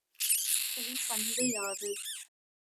இத்துகள்களின் பண்பு யாது?